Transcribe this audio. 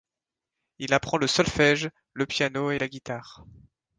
Il apprend le solfège, le piano et la guitare.